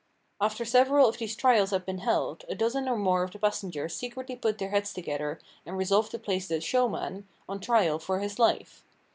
After several of these trials had been held, a dozen or more of the passengers secretly put their heads together and resolved to place the "showman" on trial for his life.